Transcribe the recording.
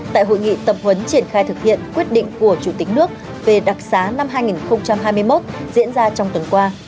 tại hội nghị tập huấn triển khai thực hiện quyết định của chủ tịch nước về đặc xá năm hai nghìn hai mươi một diễn ra trong tuần qua